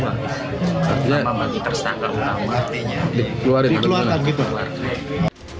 yang pertama bagi tersangka utama dikeluarkan ke keluarga